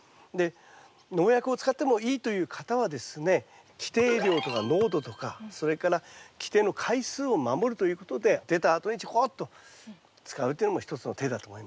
農薬を使ってもいいという方はですね規定量とか濃度とかそれから規定の回数を守るということで出たあとにちょこっと使うというのも一つの手だと思います。